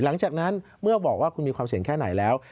หลังจากนั้นเมื่อบอกว่าคุณมีความเสี่ยงแค่ไหนแล้ว